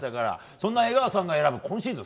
そんな江川さんの選ぶ今シーズン